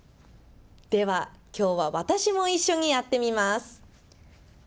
では、きょうは私も一緒にやってみます。